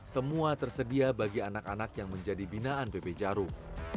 semua tersedia bagi anak anak yang menjadi binaan pp jarum